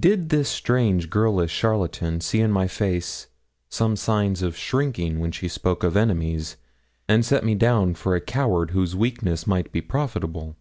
Did this strange, girlish charlatan see in my face some signs of shrinking when she spoke of enemies, and set me down for a coward whose weakness might be profitable?